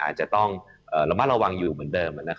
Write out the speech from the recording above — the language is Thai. อาจจะต้องระมัดระวังอยู่เหมือนเดิม